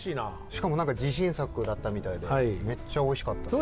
しかも自信作だったみたいでめっちゃおいしかったです。